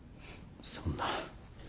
そんな。